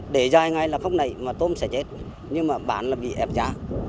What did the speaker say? để dài ngay là không nảy mà tôm sẽ chết nhưng mà bán là bị ép giá